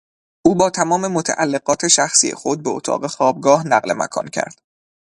او با تمام متعلقات شخصی خود به اتاق خوابگاه نقل مکان کرد.